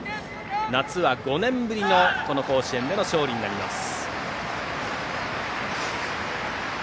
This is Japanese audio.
夏は５年ぶりのこの甲子園での勝利になります。